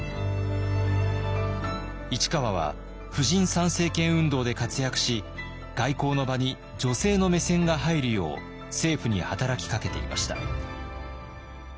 市川は婦人参政権運動で活躍し外交の場に女性の目線が入るよう政府に働きかけていました。